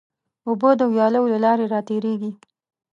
اوبه د ویالو له لارې راتېرېږي.